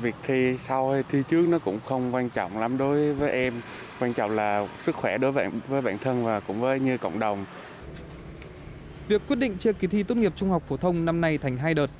việc quyết định chia kỳ thi tốt nghiệp trung học phổ thông năm nay thành hai đợt